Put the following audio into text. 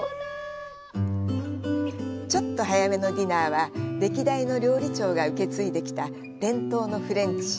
ちょっと早めのディナーは、歴代の料理長が受け継いできた伝統のフレンチ。